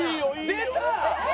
出た！